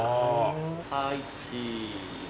はいチーズ。